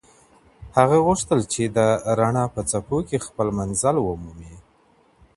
هغه غوښتل چې د رڼا په څپو کې خپل منزل ومومي.